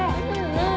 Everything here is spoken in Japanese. うん！